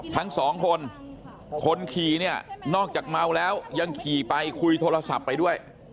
ทั้งสองคนคนขี่เนี่ยนอกจากเมาแล้วยังขี่ไปคุยโทรศัพท์ไปด้วย